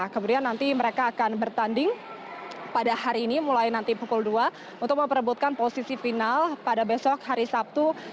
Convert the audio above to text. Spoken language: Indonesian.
kemudian nanti mereka akan bertanding pada hari ini mulai nanti pukul dua untuk memperebutkan posisi final pada besok hari sabtu